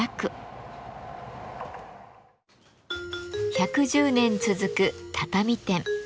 １１０年続く畳店。